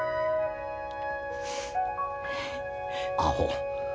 アホ。